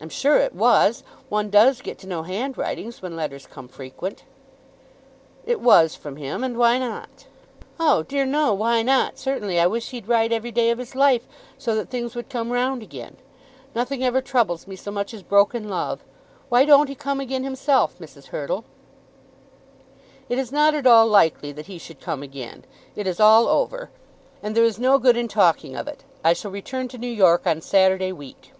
"I'm sure it was. One does get to know handwritings when letters come frequent." "It was from him. And why not?" "Oh dear no; why not certainly? I wish he'd write every day of his life, so that things would come round again. Nothing ever troubles me so much as broken love. Why don't he come again himself, Mrs. Hurtle?" "It is not at all likely that he should come again. It is all over, and there is no good in talking of it. I shall return to New York on Saturday week."